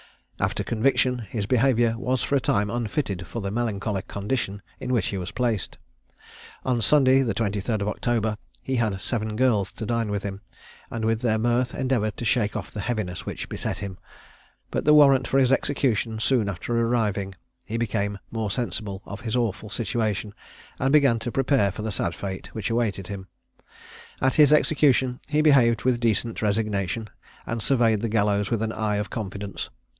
After conviction, his behaviour was for a time unfitted for the melancholy condition in which he was placed. On Sunday, the 23d of October, he had seven girls to dine with him, and with their mirth endeavoured to shake off the heaviness which beset him, but the warrant for his execution soon after arriving, he became more sensible of his awful situation, and began to prepare for the sad fate which awaited him. At his execution, he behaved with decent resignation, and surveyed the gallows with an eye of confidence.